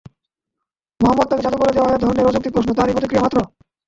মুহাম্মাদ তাঁকে জাদু করে দেয়া এ ধরনের অযৌক্তিক প্রশ্ন তারই প্রতিক্রিয়া মাত্র।